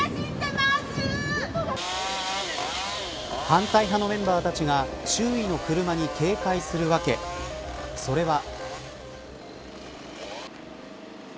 反対派のメンバーたちが周囲の車に警戒する訳それは。